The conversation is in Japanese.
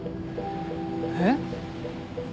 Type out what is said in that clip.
えっ？